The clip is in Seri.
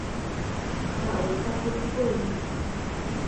¿Hahoot hac cöitpooin?